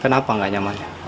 kenapa gak nyaman